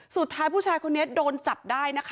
สุดท้ายผู้ชายคนนี้โดนจับได้นะคะ